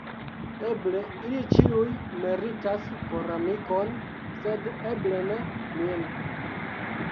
Eble ili ĉiuj meritas koramikon, sed eble ne min.